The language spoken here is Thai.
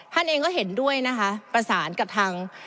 ท่านเองก็เห็นด้วยนะคะประสานกับทาง